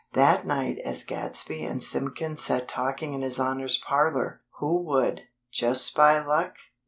That night as Gadsby and Simpkins sat talking in His Honor's parlor, who would, "just by luck